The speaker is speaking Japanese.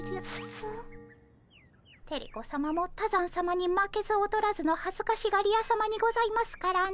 テレ子さまも多山さまに負けず劣らずのはずかしがり屋さまにございますからね。